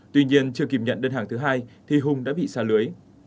tuy nhiên chưa kịp nhận đơn hàng thứ hai thì hùng đã bị xa lưới